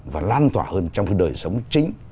và lan tỏa hơn trong đời sống chính